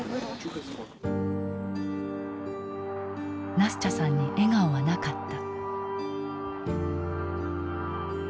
ナスチャさんに笑顔はなかった。